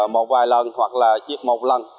một vài lần hoặc là một lần